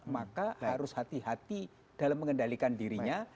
maka harus hati hati dalam mengendalikan dirinya